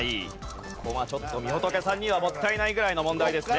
ここはちょっとみほとけさんにはもったいないぐらいの問題ですね。